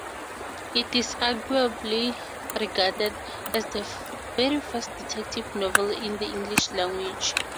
It is arguably regarded as the very first detective novel in the English language.